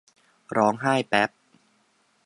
ร้องไห้แปบ